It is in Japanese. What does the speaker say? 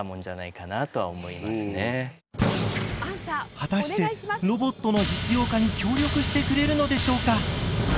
果たしてロボットの実用化に協力してくれるのでしょうか？